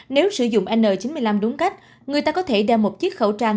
nếu sử dụng n chín mươi năm đúng cách người ta có thể đeo một chiếc khẩu trang